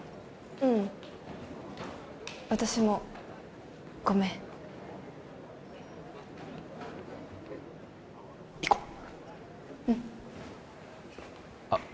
ううん私もごめん行こうんあっ